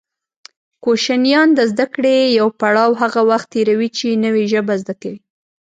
کوشنیان د زده کړې يو پړاو هغه وخت تېروي چې نوې ژبه زده کوي